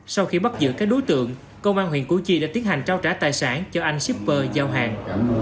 sau khi bắt giữ các đối tượng công an huyện củ chi đã tiến hành trao trả tài sản cho anh shipper giao hàng